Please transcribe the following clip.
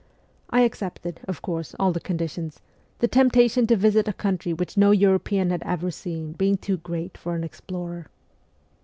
I accepted, of course, all the conditions, the temptation to visit a country which no European had ever seen being too great for an explorer.